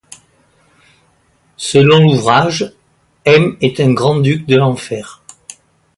Selon l'ouvrage, Aim est un grand-duc de l'Enfer.